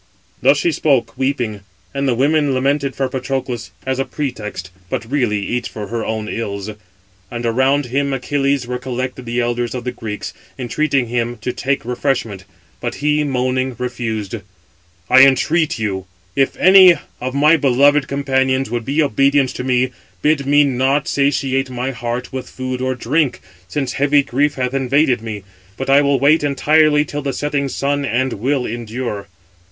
Thus she spoke, weeping; and the women lamented for Patroclus, as a pretext, but [really] each for her own ills. And around him (Achilles) were collected the elders of the Greeks, entreating him to take refreshment; but he, moaning, refused: "I entreat [you], if any of my beloved companions would be obedient to me, bid me not satiate my heart with food or drink, since heavy grief hath invaded me; but I will wait entirely till the setting sun, and will endure."